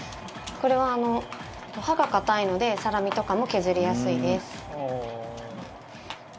これは刃が硬いのでサラミとかも削りやすいです。